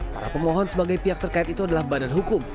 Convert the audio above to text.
para pemohon sebagai pihak terkait itu adalah badan hukum